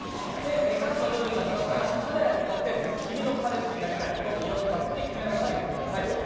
歌詞の部分が来ましたらカメラに向かって、「君の彼氏になりたい」と色気たっぷりに決めながら言ってください。